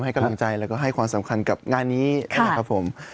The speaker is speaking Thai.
ให้กำลังใจแล้วก็ให้ความสำคัญกับงานนี้นะครับผม